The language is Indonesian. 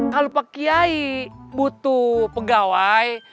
kalau pak kiai butuh pegawai